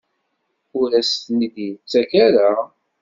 Ur as-ten-id-yettak ara?